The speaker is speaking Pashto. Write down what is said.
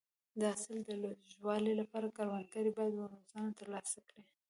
د حاصل د لوړوالي لپاره کروندګر باید روزنه ترلاسه کړي.